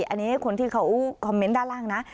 อันนี้คนที่เขาคอมเมนต์ด้านล่างนะ